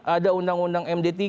ada undang undang md tiga